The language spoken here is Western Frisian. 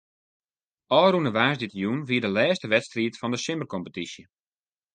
Ofrûne woansdeitejûn wie de lêste wedstriid fan de simmerkompetysje.